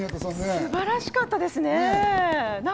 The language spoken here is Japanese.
素晴らしかったですね。